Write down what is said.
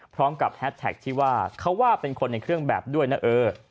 พร้อมกับแฮสแท็กที่ว่าเขาว่าเป็นคนในเครื่องแบบด้วยนะเออ